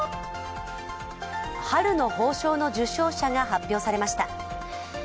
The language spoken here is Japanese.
春の褒章の受章者が発表されました。